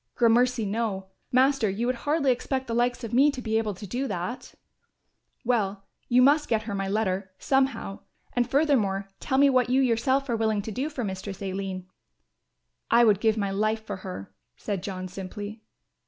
"Gramercy no, Master, you would hardly expect the likes of me to be able to do that." "Well, you must get her my letter, somehow, and, furthermore, tell me what you yourself are willing to do for Mistress Aline." "I would give my life for her," said John simply.